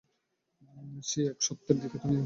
সে এক সত্যের দিকে তুমি এগিয়ে চলেছ।